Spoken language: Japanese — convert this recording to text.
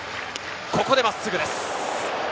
ここで真っすぐです。